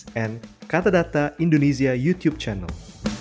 dan katadata indonesia youtube channel